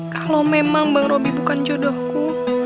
kalau memang bang roby bukan jodohku